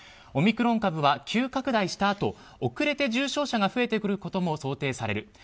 オミクロン株は急拡大したあと遅れて重症者が増えてくることも想定される。